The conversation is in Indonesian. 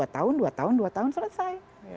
dua tahun dua tahun dua tahun selesai